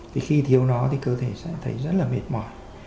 thì khi thiếu nó thì cơ thể sẽ thấy rất là mệt mỏi